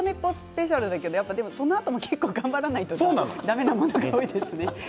スペシャルですけど、このそのあとも結構頑張らないとだめなものが多いですね。